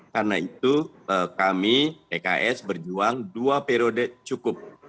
karena itu kami tks berjuang dua periode cukup